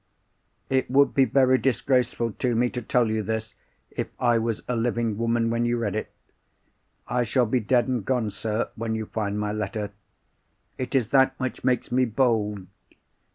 "It would be very disgraceful to me to tell you this, if I was a living woman when you read it. I shall be dead and gone, sir, when you find my letter. It is that which makes me bold.